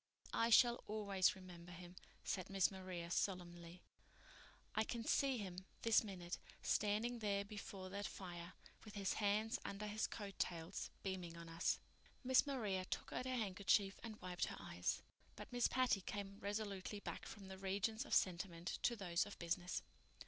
"I shall always remember him," said Miss Maria solemnly. "I can see him, this minute, standing there before that fire, with his hands under his coat tails, beaming on us." Miss Maria took out her handkerchief and wiped her eyes; but Miss Patty came resolutely back from the regions of sentiment to those of business.